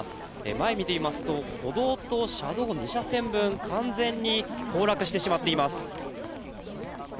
前を見てみますと歩道と車道２車線分完全に崩落してしまっています。